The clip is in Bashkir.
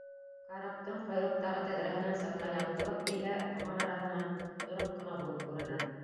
Караптың ҡойроҡтағы тәҙрәһенән сыҡҡан яҡтылыҡ иһә томан араһынан тоноҡ ҡына булып күренә.